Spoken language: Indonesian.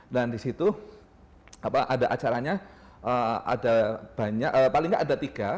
dan di situ ada acaranya ada banyak paling tidak ada tiga